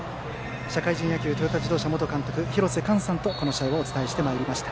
社会人野球トヨタ自動車元監督廣瀬寛さんとこの試合をお伝えしてきました。